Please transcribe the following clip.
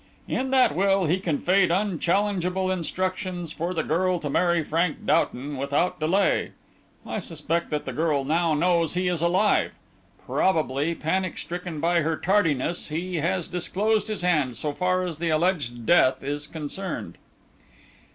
"In that will he conveyed unchallengeable instructions for the girl to marry Frank Doughton without delay. I suspect that the girl now knows he is alive. Probably, panic stricken by her tardiness, he has disclosed his hand so far as the alleged death is concerned."